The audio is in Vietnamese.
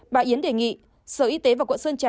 bà yến đề nghị sở y tế và quận sơn trà